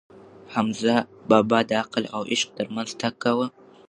حمزه بابا د عقل او عشق ترمنځ تګ کاوه.